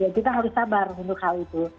kita harus sabar untuk hal itu